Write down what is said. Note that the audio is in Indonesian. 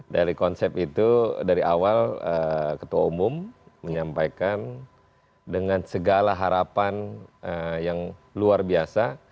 dari konsep itu dari awal ketua umum menyampaikan dengan segala harapan yang luar biasa